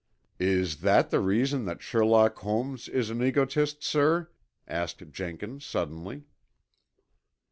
"Is that the reason that Sherlock Holmes is an egotist, sir?" asked Jenkins suddenly.